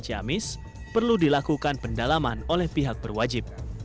ciamis perlu dilakukan pendalaman oleh pihak berwajib